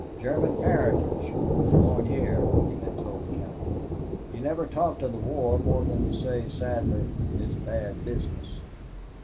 "German parentage born here," he had told Cowder. He never talked of the war more than to say sadly, "It's bad business."